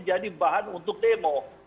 jadi bahan untuk demo